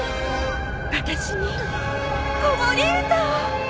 私に子守歌を。